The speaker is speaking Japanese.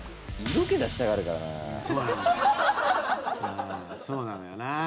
うんそうなのよな